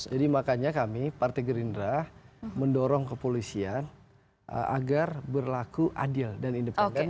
jadi makanya kami partai gerindra mendorong kepolisian agar berlaku adil dan independen